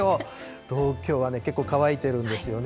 東京はね、結構乾いてるんですよね。